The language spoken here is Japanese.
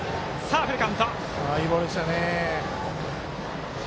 いいボールですよね。